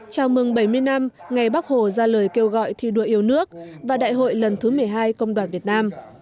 chào mừng bảy mươi năm ngày bắc hồ ra lời kêu gọi thi đua yêu nước và đại hội lần thứ một mươi hai công đoàn việt nam